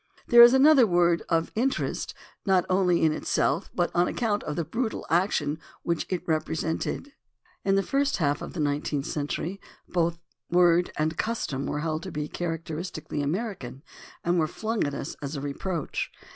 There is another word, of interest not only in itself, but on account of the brutal action which it repre sented. In the first half of the nineteenth century both word and custom were held to be characteristic ally American, and were flung at us as a reproach.